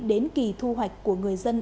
đến kỳ thu hoạch của người dân